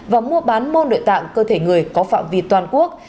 và mua bán môn nội tạng cơ thể người có phạm vi toàn quốc